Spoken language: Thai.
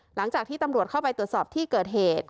หลังจากที่ตำรวจเข้าไปตรวจสอบที่เกิดเหตุ